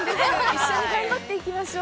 一緒に頑張っていきましょう。